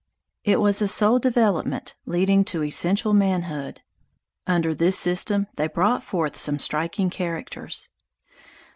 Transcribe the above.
It was a soul development leading to essential manhood. Under this system they brought forth some striking characters.